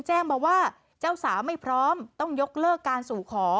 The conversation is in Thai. แจ้งมาว่าเจ้าสาวไม่พร้อมต้องยกเลิกการสู่ขอ